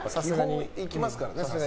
基本、行きますからね。